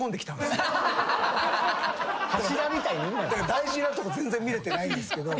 大事なとこ全然見れてないんですけど。